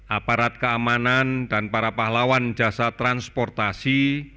aparat keamanan dan para pahlawan jasa transportasi